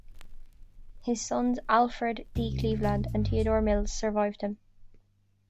His sons Alfred D Cleveland and Theodore Mills survive him.